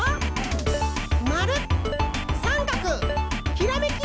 ひらめき！